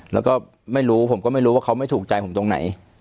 แล้วก็ไม่รู้ผมก็ไม่รู้ว่าเขาไม่ถูกใจผมตรงไหน